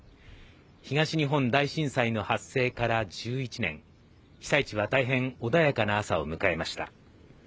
東日本大震災の発生から１１年被災地は大変穏やかな朝を迎えました